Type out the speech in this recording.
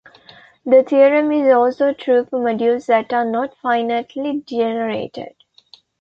The theorem is also true for modules that are not finitely generated.